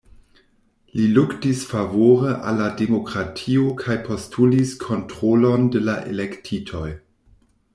Li luktis favore al la demokratio kaj postulis kontrolon de la elektitoj.